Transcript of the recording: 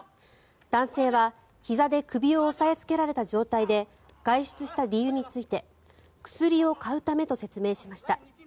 男性はひざで首を押さえつけられた状態で外出した理由について薬を買うためと説明しました。